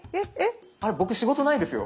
僕仕事ないですよ。